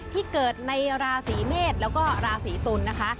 ที่เกิดในราศีเมษแล้วก็ราศีตุลนะคะ